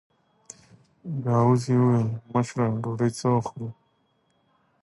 ګاووزي وویل: مشره ډوډۍ څه وخت خورو؟